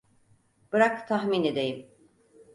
Bırak tahmin edeyim.